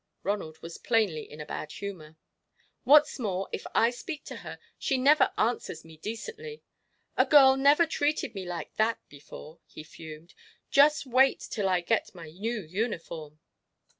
Ronald was plainly in a bad humour. "What's more, if I speak to her, she never answers me decently. A girl never treated me like that before," he fumed; "just wait till I get my new uniform!"